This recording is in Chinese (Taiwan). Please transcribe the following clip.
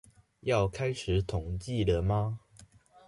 要開始統計了嗎？